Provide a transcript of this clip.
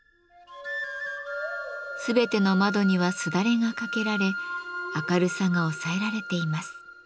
全ての窓にはすだれが掛けられ明るさが抑えられています。